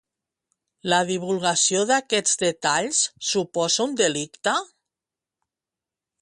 La divulgació d'aquests detalls suposa un delicte?